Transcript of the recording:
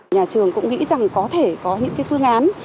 nhà trường cũng nghĩ rằng có thể có những phương án